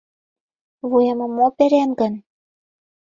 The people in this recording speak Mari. Вуемым мо перен гын?